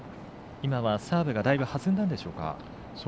今はサーブがだいぶ弾んだんでしょうか。